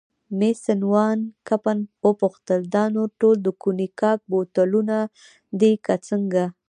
مېس وان کمپن وپوښتل: دا نور ټول د کونیګاک بوتلونه دي که څنګه؟